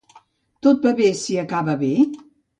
Va tot bé, si acaba bé?